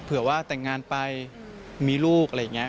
เผื่อว่าแต่งงานไปมีลูกอะไรอย่างนี้